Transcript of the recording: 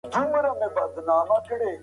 نظري ټولنپوهنه یو ډېر مهم علمي ډګر دی.